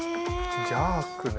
ジャークね。